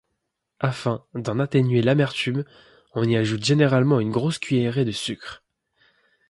Afin, d'en atténuer l'amertume, on y ajoute généralement une grosse cuillerée de sucre.